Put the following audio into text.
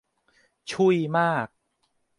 ชุ่ยมาก !